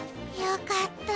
よかった！